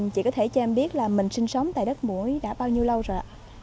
chị có thể cho em biết là mình sinh sống tại đất mũi đã bao nhiêu lâu rồi ạ